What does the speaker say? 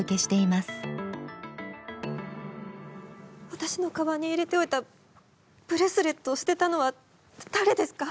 私のかばんに入れておいたブレスレットを捨てたのは誰ですか？